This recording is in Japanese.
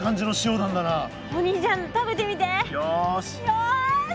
よし！